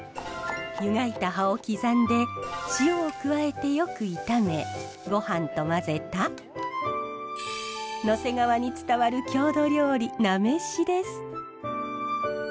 湯がいた葉を刻んで塩を加えてよく炒めごはんと混ぜた野迫川に伝わる郷土料理菜めしです。